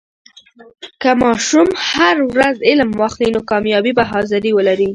که ماشوم هر ورځ علم واخلي، نو کامیابي به حاضري ولري.